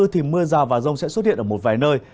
thì mưa rào và rông sẽ xuất hiện ở một vài nơi